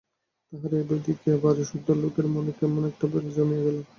তাহার এই ভয় দেখিয়া বাড়িসুদ্ধ লোকের মনে কেমন একটা ভয় জন্মিয়া গেল।